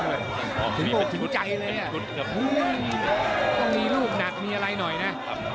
ถึงโปรดถึงใจเลยอันนี้ลูกหนัดมีอะไรหน่อยนะ